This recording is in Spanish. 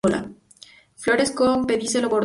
Flores con pedicelo corto.